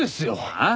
ああ？